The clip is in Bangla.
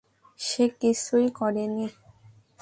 সে কিছুই করেনি।